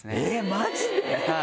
マジで？